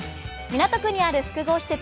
港区にある複合施設